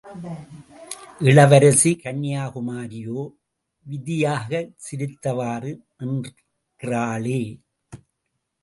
இளவரசி கன்யாகுமரியோ, விதியாகச் சிரித்தவாறு நிற்கிறாளே?